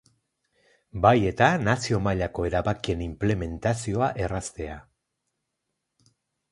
Bai eta nazio-mailako erabakien inplementazioa erraztea.